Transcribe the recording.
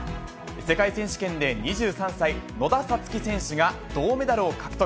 世界選手権で２３歳、野田紗月選手が銅メダルを獲得。